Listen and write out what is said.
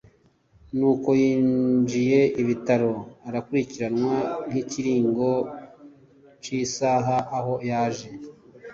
Nuko yinjiye ibitaro…Arakurikiranwa nkikiringo cisaha aho yaje